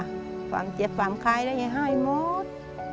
ความเจ็บความคลายแล้วยายให้หมด